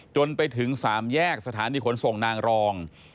จนไปถึง๓แยกสถานีขนส่งนางรอง